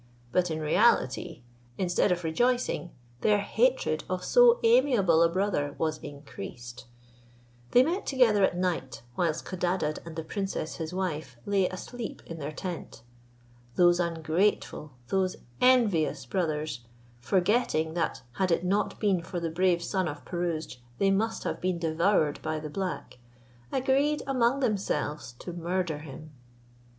But in reality, instead of rejoicing, their hatred of so amiable a brother was increased. They met together at night, whilst Codadad and the princess his wife lay asleep in their tent. Those ungrateful, those envious brothers, forgetting that had it not been for the brave son of Pirouzč they must have been devoured by the black, agreed among themselves to murder him.